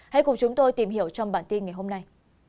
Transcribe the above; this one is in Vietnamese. hãy cùng chúng tôi tìm hiểu trong bản tin ngày hôm nay